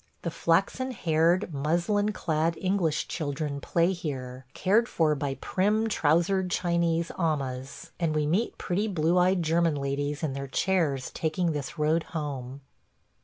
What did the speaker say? The flaxen haired, muslin clad English children play here, cared for by prim trousered Chinese amahs; and we meet pretty blue eyed German ladies in their chairs taking this road home.